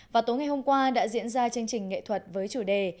và tối ngày hôm qua đã diễn ra chương trình nghệ thuật với chủ đề